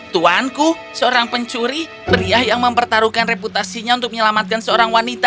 tuanku seorang pencuri pria yang mempertaruhkan reputasinya untuk menyelamatkan seorang wanita